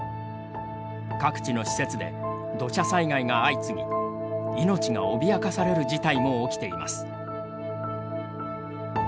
各地の施設で土砂災害が相次ぎ命が脅かされる事態も起きています。